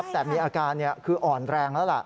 แต่มีอาการอ่อนแรง